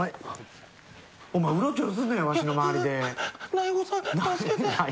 大悟さん、助けて。